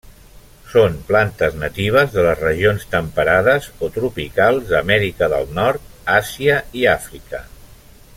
Són plantes natives de les regions temperades o tropicals d'Amèrica del Nord, Àsia i Àfrica.